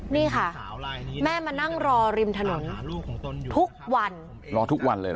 นี่ค่ะแม่มานั่งรอริมถนนทุกวันรอทุกวันเลยเห